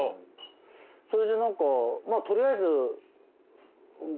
それで取りあえず。